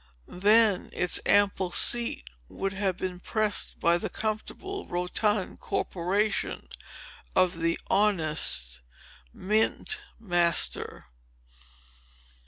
Then its ample seat would have been pressed by the comfortable, rotund corporation of the honest mint master.